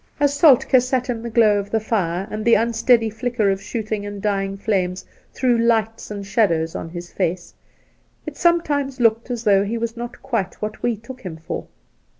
As Soltk^ sat in the glow of the fire, and the unsteady flicker of shooting and dying flanles threw lights and shadows on his face, it sometimes looked as though he was not quite what we took him for.